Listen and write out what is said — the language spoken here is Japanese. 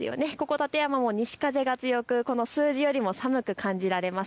館山も西風が強くこの数字よりも寒く感じられます。